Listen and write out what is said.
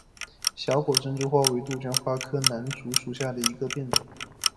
小果珍珠花为杜鹃花科南烛属下的一个变种。